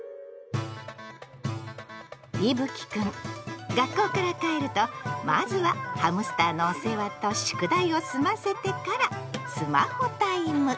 いぶきくん学校から帰るとまずはハムスターのお世話と宿題を済ませてからスマホタイム！